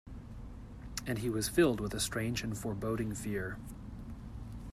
And he was filled with a strange and foreboding fear.